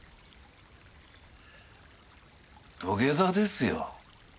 土下座ですよ。